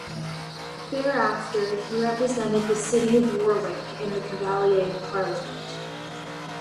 Thereafter he represented the city of Warwick in the Cavalier Parliament.